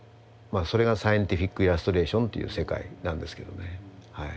それがサイエンティフィックイラストレーションという世界なんですけどね。